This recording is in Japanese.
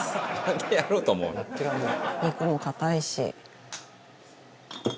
肉も硬いし。